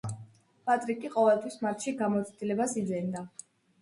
პატრიკი ყოველთვის მათში გამოცდილებას იძენდა.